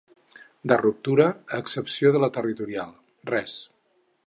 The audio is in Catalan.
De ruptura, a excepció de la territorial, res.